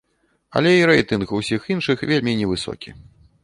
Але і рэйтынг усіх іншых вельмі невысокі.